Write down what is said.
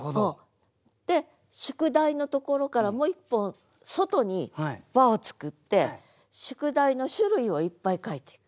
で「宿題」のところからもう一本外に輪を作って「宿題」の種類をいっぱい書いていく。